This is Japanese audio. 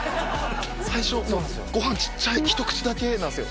最初ごはんちっちゃい一口だけなんすよ